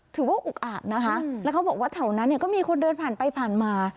อุกอาจนะคะแล้วเขาบอกว่าแถวนั้นเนี่ยก็มีคนเดินผ่านไปผ่านมา